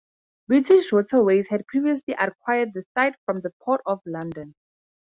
British Waterways had previously acquired the site from the Port of London.